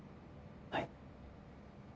はい。